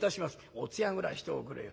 「お通夜ぐらいしておくれよ」。